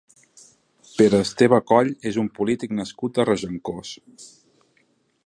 Pere Esteve Coll és un polític nascut a Regencós.